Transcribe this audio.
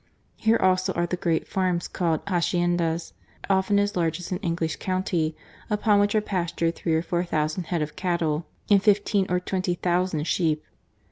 Here also are the great farms called haciendas, often as large as an English county, upon which are pastured three or four thousand head of cattle, and fifteen or twenty thousand sheep.